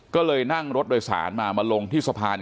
ก็เลยนั่งรถโดยสารมามาลงที่สะพาน